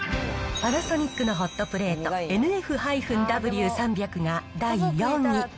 パナソニックのホットプレート、ＮＦーＷ３００が第４位。